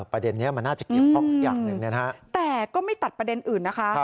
ประเด็นนี้มันน่าจะเก็บของอย่างหนึ่งเนี่ยฮะแต่ก็ไม่ตัดประเด็นอื่นนะคะครับ